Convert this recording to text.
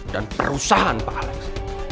dan perusahaan pak alex